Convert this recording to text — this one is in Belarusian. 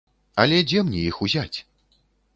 Але дзе мне іх узяць?